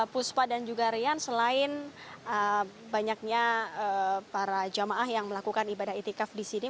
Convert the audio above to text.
puspa dan juga rian selain banyaknya para jamaah yang melakukan ibadah itikaf di sini